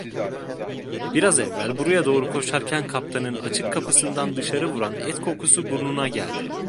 Biraz evvel buraya doğru koşarken kaptanın açık kapısından dışarı vuran et kokusu burnuna geldi.